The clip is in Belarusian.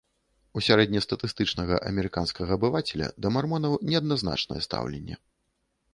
У сярэднестатыстычнага амерыканскага абывацеля да мармонаў неадназначнае стаўленне.